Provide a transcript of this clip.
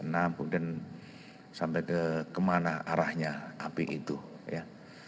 kemudian sampai kemana arahnya api itu ya